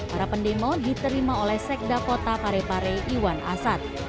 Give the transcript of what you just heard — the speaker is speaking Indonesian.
para pendemo diterima oleh sekda kota parepare iwan asad